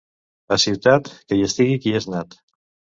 A Ciutat, que hi estigui qui hi és nat.